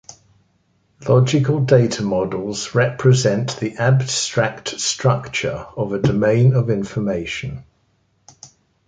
Logical data models represent the abstract structure of a domain of information.